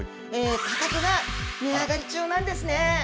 価格が値上がり中なんですね。